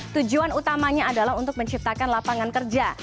tujuan utamanya adalah untuk menciptakan lapangan kerja